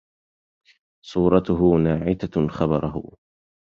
صورته ناعتة خبره